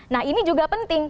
nah ini juga penting